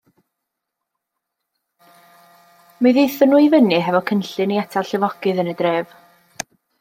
Mi ddaethon nhw i fyny hefo cynllun i atal llifogydd yn y dref.